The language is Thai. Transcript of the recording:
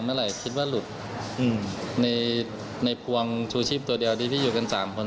ในหัวชูชิบตัวเดียวที่พี่อยู่กัน๓คน